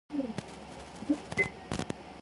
The exposition had a number of roller coasters.